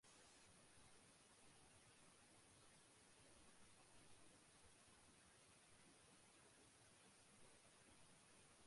নারীদের রাজকীয় সেনা শাখা যতদিন ছিল ততদিন এটার কাজ ছিল প্রশাসনিক এবং অন্যান্য সাহায্যকারী কাজ করা।